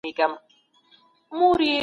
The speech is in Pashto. امنيتي ارګانونه د ټولنې امنيت نه تامينوي.